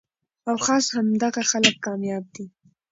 او خاص همدغه خلک کامياب دي